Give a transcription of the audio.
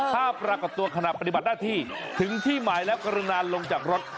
ถ้าปรากฏตัวขณะปฏิบัติหน้าที่ถึงที่หมายแล้วกรุณาลงจากรถ